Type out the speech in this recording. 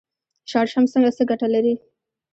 شړشم څه ګټه لري؟